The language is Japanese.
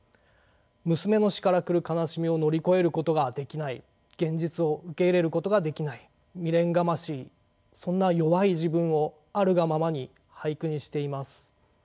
娘の死から来る悲しみを乗り越えることができない現実を受け入れることができない未練がましいそんな弱い自分をあるがままに俳句にしています。